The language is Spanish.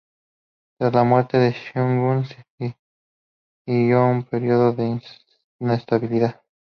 Tras la muerte de Sigurd siguió un periodo de inestabilidad.